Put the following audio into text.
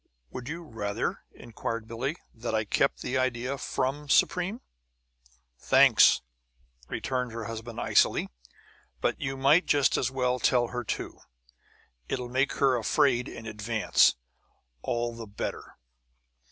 "Would you rather," inquired Billie, "that I kept the idea from Supreme?" "Thanks," returned her husband, icily, "but you might just as well tell her, too. It'll make her afraid in advance, all the better!"